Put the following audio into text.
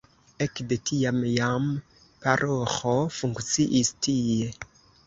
Ekde tiam jam paroĥo funkciis tie.